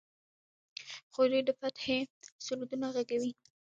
خو دوی د فتحې سرودونه غږوي.